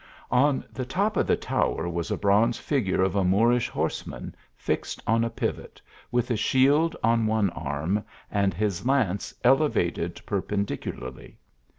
On the top of the tower was a bronze figure of a Moorish horseman, fixed on a pivot, with a shield on .one arm, and his lance elevated perpendicularly.